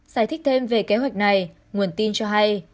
giải thích thêm về kế hoạch này nguồn tin cho hay